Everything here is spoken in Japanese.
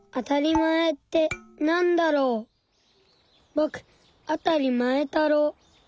ぼくあたりまえたろう。